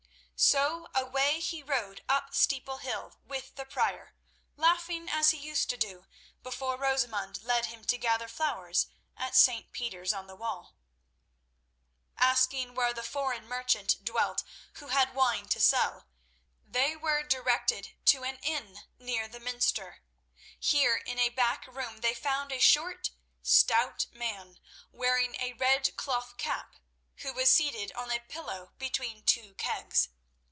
So away he rode up Steeple Hill with the Prior, laughing as he used to do before Rosamund led him to gather flowers at St. Peter's on the Wall. Asking where the foreign merchant dwelt who had wine to sell, they were directed to an inn near the minster. Here in a back room they found a short, stout man, wearing a red cloth cap, who was seated on a pillow between two kegs.